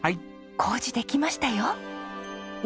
糀できましたよ。